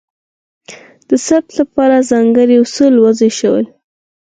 د ثبت لپاره ځانګړي اصول وضع شول.